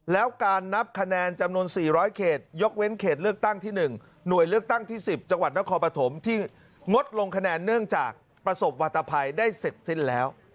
แล้วการนับคะแนนจำนวน๔๐๐เขตยกเว้นเขตเลือกตั้งที่๑หน่วยเลือกตั้งที่๑๐จังหวัดนครปฐมที่งดลงคะแนนเนื่องจากประสบวัตภัยได้เสร็จสิ้นแล้ว